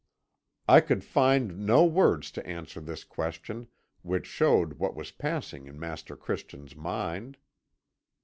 "I could find no words to answer this question, which showed what was passing in Master Christian's mind.